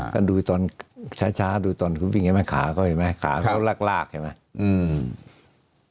ก็ดูตอนช้าดูตอนคุณวิ่งใช่ไหมขาเขาเห็นไหมขาเขาลากลากใช่ไหม